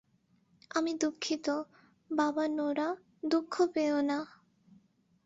আমি দুঃখিত, বাবা নোরা, দুঃখ পেও না।